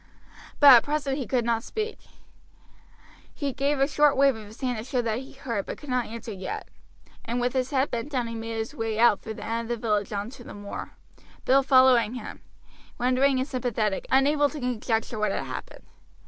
But at present he could not speak. He gave a short wave of his hand to show that he heard, but could not answer yet, and with his head bent down made his way out through the end of the village on to the moor Bill following him, wondering and sympathetic, unable to conjecture what had happened.